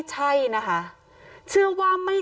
เดี๋ยวลองฟังดูนะครับ